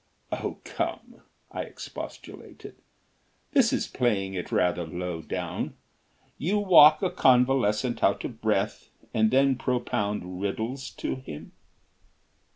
"Oh, come," I expostulated, "this is playing it rather low down. You walk a convalescent out of breath and then propound riddles to him."